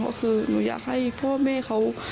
ก็คือหนูอยากให้พ่อแม่เขา